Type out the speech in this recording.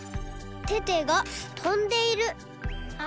テテがとんでいる。